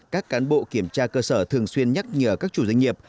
các cán bộ kiểm tra cơ sở thường xuyên nhắc nhở các chủ doanh nghiệp